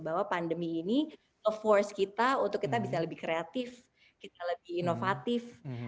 bahwa pandemi ini ke force kita untuk kita bisa lebih kreatif kita lebih inovatif